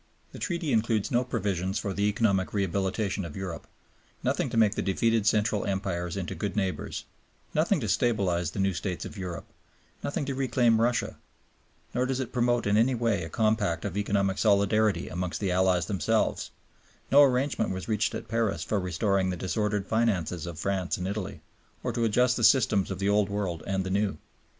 The Treaty includes no provisions for the economic rehabilitation of Europe, nothing to make the defeated Central Empires into good neighbors, nothing to stabilize the new States of Europe, nothing to reclaim Russia; nor does it promote in any way a compact of economic solidarity amongst the Allies themselves; no arrangement was reached at Paris for restoring the disordered finances of France and Italy, or to adjust the systems of the Old World and the New.